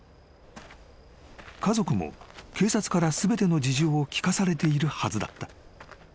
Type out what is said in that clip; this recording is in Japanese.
［家族も警察から全ての事情を聞かされているはずだった］